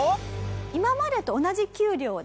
今までと同じ給料をですね